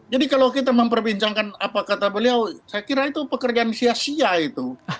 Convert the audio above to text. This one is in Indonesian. jadi kalau kita memperbincangkan apa kata beliau saya kira itu pekerjaan sia sia itu